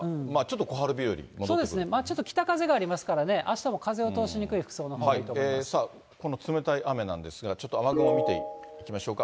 そうですね、ちょっと北風がありますからね、あしたも風を通しにくい服装のほうがいいと思い冷たい雨なんですが、ちょっと雨雲見ていきましょうか。